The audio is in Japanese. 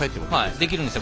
できるんですよ。